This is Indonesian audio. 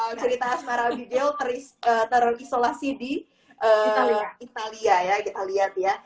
wow cerita asmara abigail terisolasi di itali ya kita lihat ya